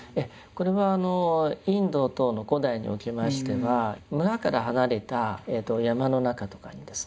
これはインド等の古代におきましては村から離れた山の中とかにですね